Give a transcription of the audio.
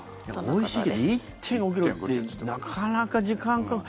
おいしいけど１．５ｋｇってなかなか時間かかる。